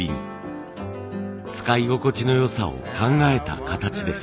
使い心地の良さを考えた形です。